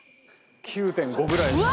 ９．５ぐらい。